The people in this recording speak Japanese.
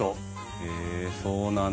へえそうなんだ。